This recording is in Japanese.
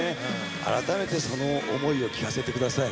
改めてその思いを聞かせてください。